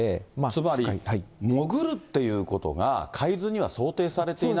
つまり潜るということが海図には想定されていない。